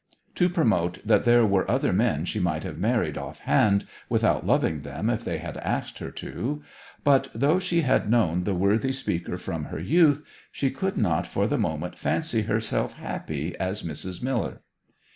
To promote that there were other men she might have married offhand without loving them if they had asked her to; but though she had known the worthy speaker from her youth, she could not for the moment fancy herself happy as Mrs. Miller.